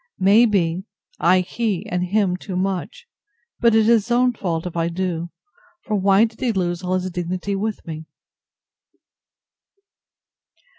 May be, I he and him him too much: but it is his own fault if I do. For why did he lose all his dignity with me?